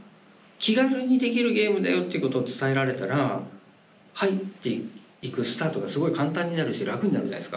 「気軽にできるゲームだよ」っていうことを伝えられたら入っていくスタートがすごい簡単になるし楽になるじゃないですか。